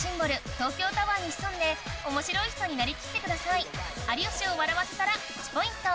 東京タワーに潜んで面白い人になりきってください